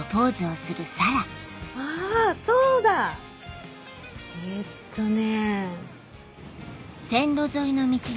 あぁそうだ！えっとね。